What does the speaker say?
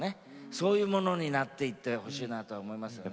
そういうものになっていってほしいなと思いますけれどね。